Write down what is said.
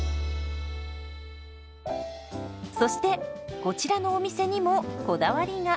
そしてこちらのお店にもこだわりが。